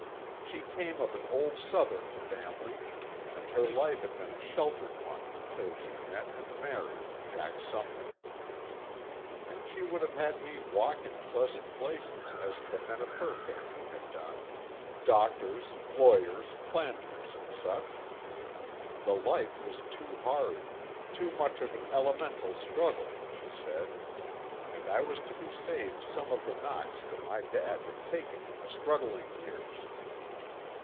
She came of an old Southern family, and her life had been a sheltered one till she met and married Jack Sumner. And she would have had me walk in pleasant places, as the men of her family had done—doctors, lawyers, planters, and such. The life was too hard, too much of an elemental struggle, she said—and I was to be saved some of the knocks that my dad had taken in the struggling years.